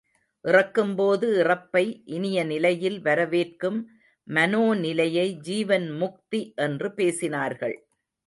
இறக்கும்போது இறப்பை இனிய நிலையில் வரவேற்கும் மனோநிலையை ஜீவன் முக்தி என்று பேசினார்கள்.